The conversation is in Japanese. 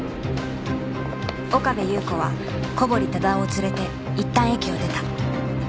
岡部祐子は小堀忠夫を連れていったん駅を出た